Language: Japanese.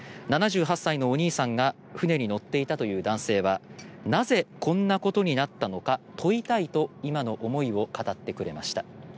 ７８歳のお兄さんが船に乗っていたという男性はなぜこんなことになったのか問いたいと今の思いを語ってくれました。